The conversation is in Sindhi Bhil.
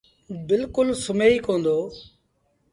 بلڪُل سمهي ئيٚ ڪوندو۔